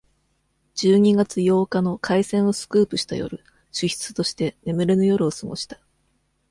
十二月八日の開戦をスクープした夜、主筆として、眠れぬ夜を過ごした。